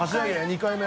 ２回目？